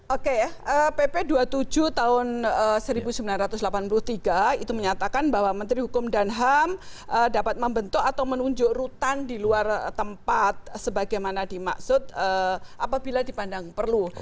oke pp dua puluh tujuh tahun seribu sembilan ratus delapan puluh tiga itu menyatakan bahwa menteri hukum dan ham dapat membentuk atau menunjuk rutan di luar tempat sebagaimana dimaksud apabila dipandang perlu